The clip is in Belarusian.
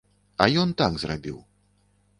А ён так зрабіў.